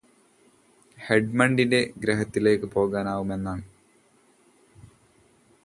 എഡ്മണ്ടിന്റെ ഗ്രഹത്തിലേയ്ക് പോകാനാവുമെന്നാണ്